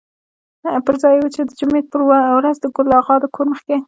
پر ځای و چې د جمعې په ورځ د ګل اغا د کور مخکې.